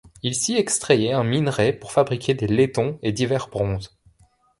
Il s'y extrayait un minerai pour fabriquer des laitons et divers bronzes.